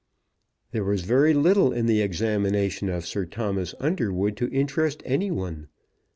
There was very little in the examination of Sir Thomas Underwood to interest any one.